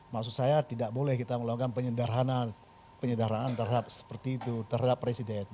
maksud saya tidak boleh kita melakukan penyedaran terhadap presiden